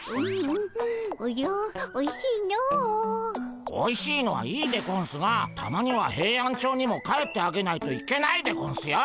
おじゃおいしいのう。おいしいのはいいでゴンスがたまにはヘイアンチョウにも帰ってあげないといけないでゴンスよ。